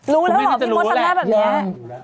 รู้แล้วหรอพี่มดสันแรกแบบนี้